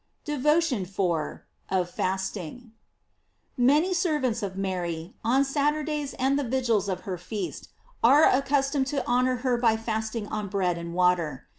DEVOTION IV. — OF FASTING. MANY servants of Mar}', on Saturdays and the vigils of her feast, are accustomed to honor her by fasting on bread and water.